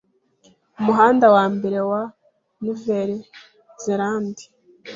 Umuhanda wa mbere wa Nouvelle-Zélande